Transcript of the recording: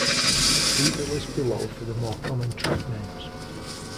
See the list below for the more common track names.